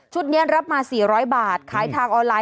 นี้รับมา๔๐๐บาทขายทางออนไลน